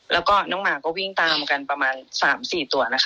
แล้วก็น้องหมาก็วิ่งตามกันประมาณ๓๔ตัวนะคะ